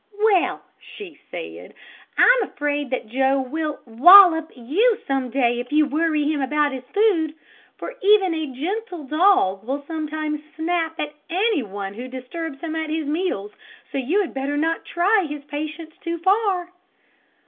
"Well," she said, "I'm afraid that Joe will 'wallop' you some day if you worry him about his food, for even a gentle dog will sometimes snap at any one who disturbs him at his meals; so you had better not try his patience too far."